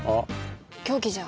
凶器じゃ。